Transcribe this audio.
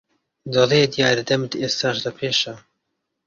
دەڵێ دیارە دەمت ئێستاش لەپێشە